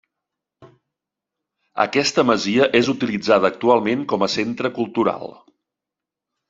Aquesta masia és utilitzada actualment com a centre cultural.